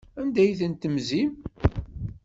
Anda ay tent-temzim?